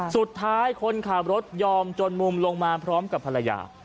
สุดท้ายคนขับรถยอมจนมุมลงมาพร้อมกับภรรยา